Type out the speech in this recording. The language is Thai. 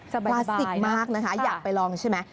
สบายมากนะคะอยากไปลองใช่ไหม